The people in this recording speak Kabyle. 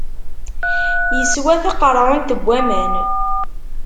Yeswa taqeṛɛunt n waman.